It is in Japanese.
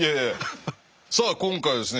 さあ今回はですね